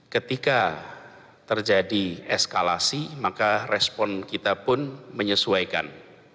ketika terjadi eskalasi maka respon kita pun menyesuaikan